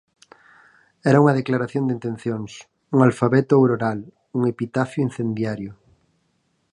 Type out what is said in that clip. Era unha declaración de intencións, un alfabeto auroral, un epitafio incendiario.